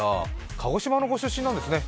鹿児島のご出身なんですね。